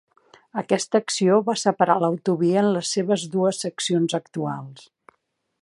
Aquesta acció va separar l'autovia en les seves dues seccions actuals.